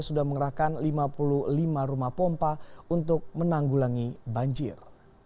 sudah mengerahkan lima puluh lima rumah pompa untuk menanggulangi banjir